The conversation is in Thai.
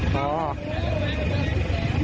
เมามาก็ไม่มีแฟน